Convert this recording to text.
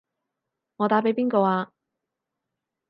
我打畀邊個啊？